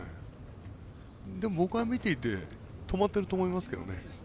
でも僕は見ていて止まってると思いますけどね。